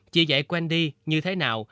chị dạy wendy như thế nào